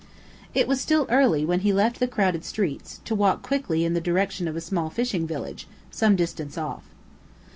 It was still early when he left the crowed streets, to walk quickly in the direction of a small fishing village, some distance off.